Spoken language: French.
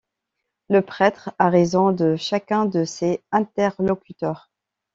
Le prêtre a raison de chacun de ses interlocuteurs.